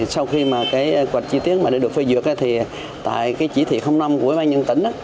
sau khi mà cái khoạch chi tiết mà đã được phơi dược thì tại cái chỉ thị năm của bàn nhân tỉnh